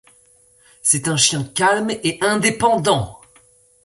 C'est un chien calme et indépendant.